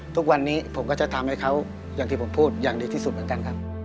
ทุกวันนี้ผมก็จะทำให้เขาอย่างที่ผมพูดอย่างดีที่สุดเหมือนกันครับ